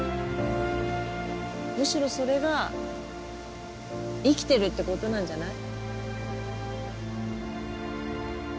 むしろそれが生きてるってことなんじゃない？